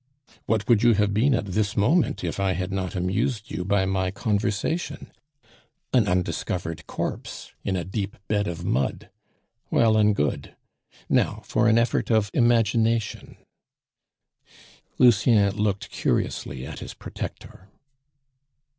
What would you have been at this moment if I had not amused you by my conversation? An undiscovered corpse in a deep bed of mud. Well and good, now for an effort of imagination " Lucien looked curiously at his protector.